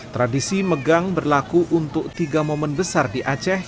tradisi megang berlaku untuk tiga momen besar di aceh